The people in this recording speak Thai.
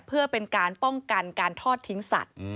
เพื่อเป็นการป้องกันการทอดทิ้งสัตว์